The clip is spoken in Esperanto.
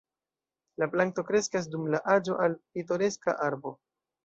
La planto kreskas dum la aĝo al pitoreska arbo.